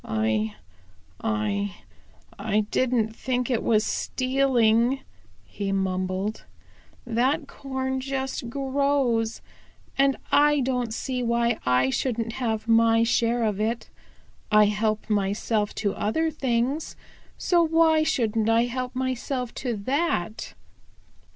"I I I don't think it was stealing," he mumbled. "That corn just grows, and I don't see why I shouldn't have my share of it. I help myself to other things, so why shouldn't I help myself to that?"